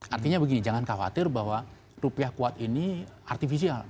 artinya begini jangan khawatir bahwa rupiah kuat ini artifisial